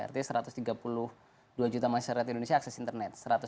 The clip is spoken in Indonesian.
artinya satu ratus tiga puluh dua juta masyarakat indonesia akses internet